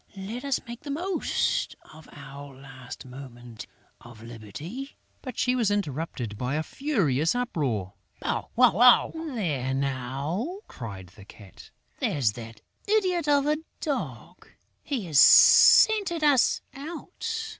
Let us make the most of our last moment of liberty...." But she was interrupted by a furious uproar: "Bow, wow, wow!" "There now!" cried the Cat. "There's that idiot of a Dog! He has scented us out!